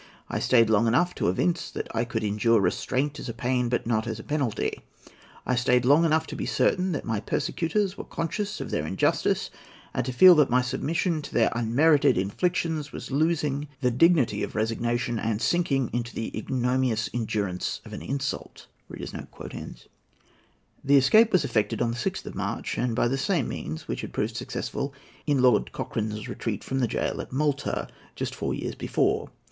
I stayed long enough to evince that I could endure restraint as a pain, but not as a penalty. I stayed long enough to be certain that my persecutors were conscious of their injustice, and to feel that my submission to their unmerited inflictions was losing the dignity of resignation, and sinking into the ignominious endurance of an insult." The escape was effected on the 6th of March, and by the same means which had proved successful in Lord Cochrane's retreat from the gaol at Malta, just four years before.